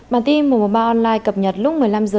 bản tin một trăm một mươi ba online cập nhật lúc một mươi năm h